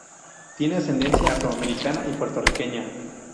Tiene ascendencia afroamericana y puertorriqueña.